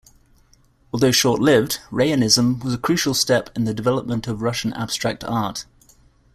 Although short-lived, Rayonism was a crucial step in the development of Russian abstract art.